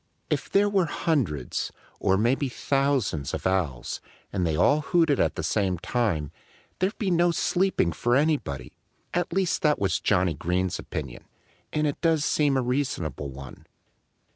If there were hundreds or maybe thousands of Owls, and they all hooted at the same time, there'd be no sleeping for anybody. At least that was Johnnie Green's opinion. And it does seem a reasonable one.